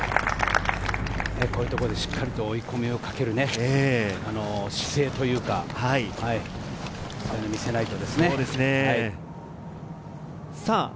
こういうところでしっかりと追い込みをかける姿勢というか、そういうのを見せないとですね。